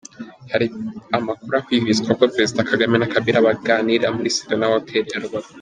Hari amakuru ahwihwiswa ko Perezida Kagame na Kabila baganirira muri Serena Hoteli ya Rubavu.